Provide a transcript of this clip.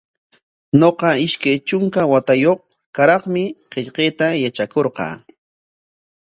Ñuqa ishkay trunka watayuq karraqmi qillqayta yatrakurqaa.